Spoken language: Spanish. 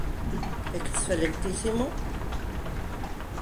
Ex Endl.